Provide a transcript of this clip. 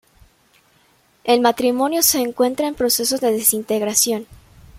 El matrimonio se encuentra en proceso de desintegración.